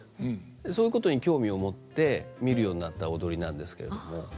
そういうことに興味を持って見るようになった踊りなんですけれども。